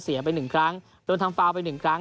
เสียไป๑ครั้งโดนทำฟาวไป๑ครั้ง